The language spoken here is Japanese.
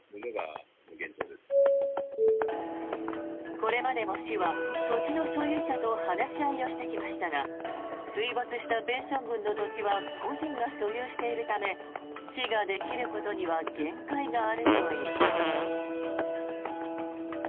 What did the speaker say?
これまでも市は土地の所有者と話し合いをしてきましたが水没したペンション群の土地は個人が所有しているため市ができることには限界があるといいます。